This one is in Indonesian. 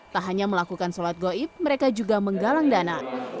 tak hanya melakukan sholat goib mereka juga menggalang dana